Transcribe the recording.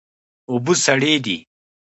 اوبه سړې دي